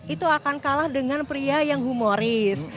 itu akan kalah dengan pria yang humoris